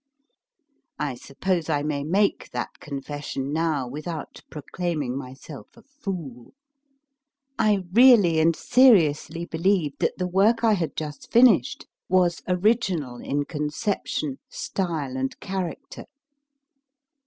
I suppose I may make that confession now without proclaiming myself a fool. I really and seriously believed that the work I had just finished was original in con ception, style, and character.